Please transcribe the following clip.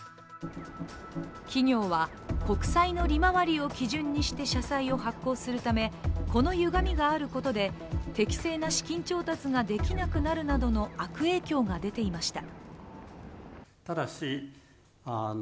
企業は、国債の利回りを基準にして社債を発行するためこのゆがみがあることで適正な資金調達ができなくなるなどの悪影響が出ていました。